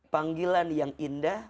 panggilan yang indah